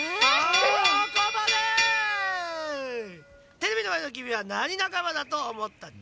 テレビのまえのきみはなに仲間だとおもったっち？